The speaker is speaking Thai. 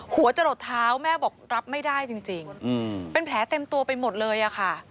หัวจะหลดเท้าแม่บอกรับไม่ได้จริงเป็นแผลเต็มตัวไปหมดเลยอะค่ะ